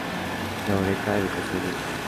Laureate Education Inc.